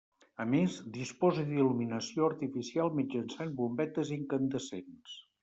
A més, disposa d'il·luminació artificial mitjançant bombetes incandescents.